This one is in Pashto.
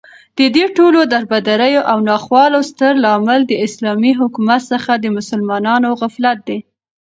ددې ټولو دربدريو او ناخوالو ستر لامل داسلامې حكومت څخه دمسلمانانو غفلت دى